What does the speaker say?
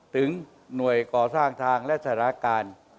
ถึงหน่วยก่อสร้างทางและสารการ